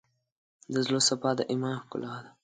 د زړه صفا، د ایمان ښکلا ده.